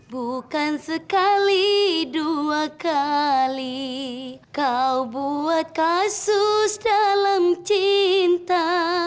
bukan sekali dua kali kau buat kasus dalam cinta